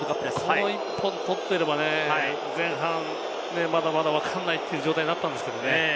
この１本を取っていれば前半はまだまだわからないっていう状態になったんですけれどもね。